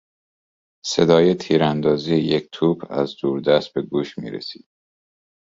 صدای تیراندازی یک توپ از دوردست به گوش میرسید.